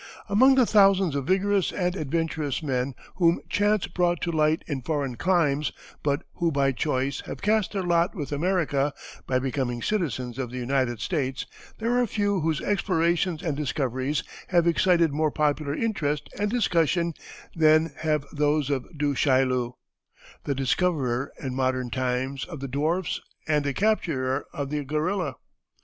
Among the thousands of vigorous and adventurous men whom chance brought to light in foreign climes, but who by choice have cast their lot with America, by becoming citizens of the United States, there are few whose explorations and discoveries have excited more popular interest and discussion than have those of Du Chaillu, the discoverer, in modern times, of the dwarfs and the capturer of the gorilla.